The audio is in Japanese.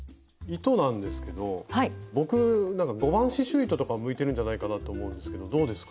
糸なんですけど僕５番刺しゅう糸とか向いてるんじゃないかなと思うんですけどどうですか？